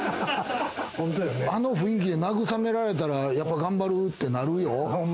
あの雰囲気で慰められたら頑張るってなるよ。